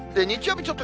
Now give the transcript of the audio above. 日曜日